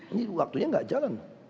ini waktunya tidak jalan